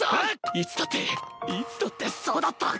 いつだっていつだってそうだった！